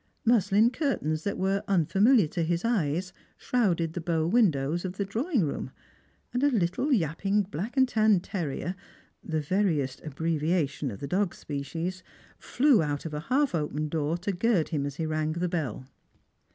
Muslin curtains that were unfamiliar to his eyes shrouded the bow windows of the drawing room, and a little yapping black and tan terrier — the veriest abbreviation of the dog species — flew out of a half open door to gird at him as he rang the bell.